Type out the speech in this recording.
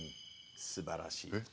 すばらしい。